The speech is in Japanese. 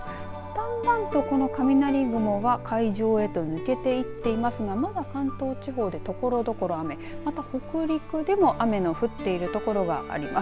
だんだんとこの雷雲が海上へと抜けていっていますがまだ関東地方でところどころ雨、また北陸でも雨の降っている所があります。